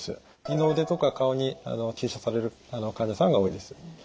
二の腕とか顔に注射される患者さんが多いです。